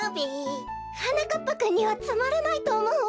はなかっぱくんにはつまらないとおもうわ。